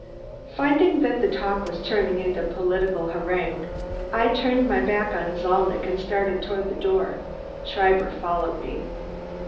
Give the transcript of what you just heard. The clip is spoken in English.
Finding that the talk was turning into a political harangue, I turned my back on Zalnitch and started toward the door. Schreiber followed me.